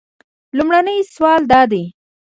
لومړنی سوال دا دی.